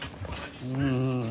うん。